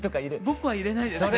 僕は入れないですね。